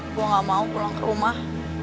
gue gak mau pulang ke rumah